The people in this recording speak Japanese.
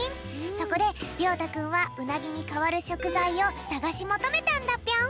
そこでりょうたくんはうなぎにかわるしょくざいをさがしもとめたんだぴょん。